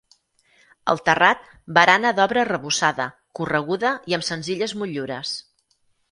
Al terrat, barana d'obra arrebossada, correguda i amb senzilles motllures.